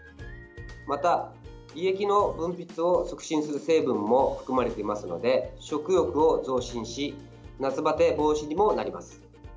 また、胃液の分泌を促進する成分も含まれていますので食欲を増進し夏バテ防止にもなります。